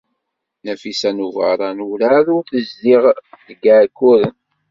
Nafisa n Ubeṛṛan werɛad ur tezdiɣ deg Iɛekkuren.